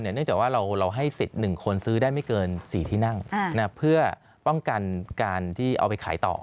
เนื่องจากว่าเราให้สิทธิ์๑คนซื้อได้ไม่เกิน๔ที่นั่งเพื่อป้องกันการที่เอาไปขายต่อ